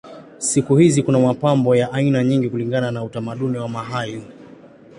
Siku hizi kuna mapambo ya aina nyingi kulingana na utamaduni wa mahali.